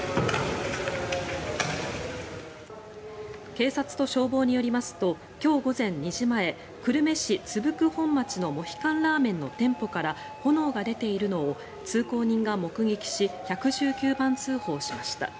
警察と消防によりますと今日午前２時前久留米市津福本町のモヒカンらーめんの店舗から炎が出ているのを通行人が目撃し１１９番通報しました。